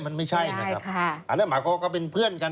มันไม่ใช่นะครับอันนั้นหมายความว่าก็เป็นเพื่อนกัน